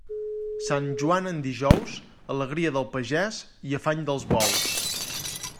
Sant Joan en dijous, alegria del pagès i afany dels bous.